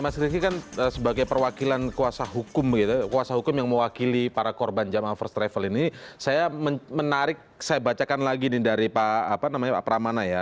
mas ricky kan sebagai perwakilan kuasa hukum gitu kuasa hukum yang mewakili para korban jamak first travel ini saya menarik saya bacakan lagi nih dari pak pramana ya